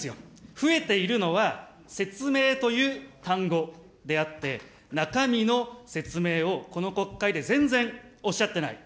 増えているのは、説明という単語であって、中身の説明をこの国会で全然おっしゃってない。